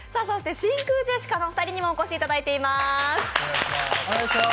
真空ジェシカの２人にもお越しいただいています。